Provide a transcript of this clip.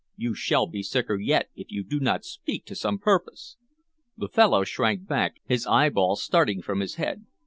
"You shall be sicker yet, if you do not speak to some purpose." The fellow shrank back, his eyeballs starting from his head.